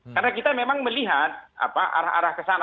karena kita memang melihat apa arah arah ke sana